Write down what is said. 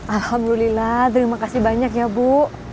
alhamdulillah terima kasih banyak ya bu